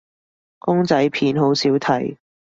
公仔片好少睇